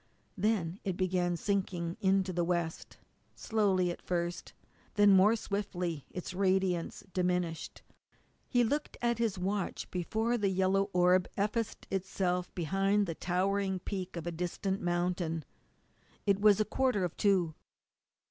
Then it began sinking into the west; slowly at first, and then more swiftly, its radiance diminished. He looked at his watch before the yellow orb effaced itself behind the towering peak of a distant mountain. It was a quarter of two.